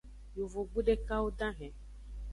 Yovogbu dekwo dahen.